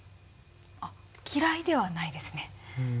あっ嫌いではないですね。